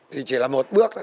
thì chỉ là một bước